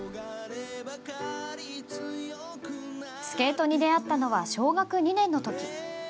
スケートに出会ったのは小学２年の時。